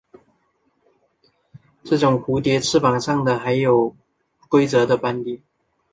这种蝴蝶翅膀上的还有不规则斑点。